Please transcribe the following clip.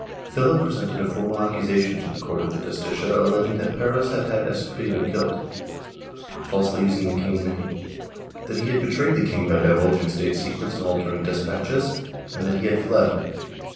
Philip presented a formal accusation to the court of the Justicia alleging that Perez had had Escobedo killed, falsely using the king's name; that he had betrayed the king by divulging state secrets and altering despatches, and that he had fled.